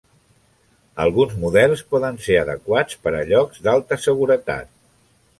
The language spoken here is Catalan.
Alguns models poden ser adequats per a llocs d'alta seguretat.